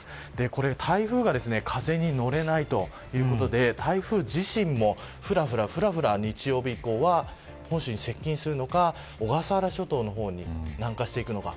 台風が風に乗れないということで台風自身もふらふら日曜日以降は本州に接近するのか小笠原諸島に南下していくのか。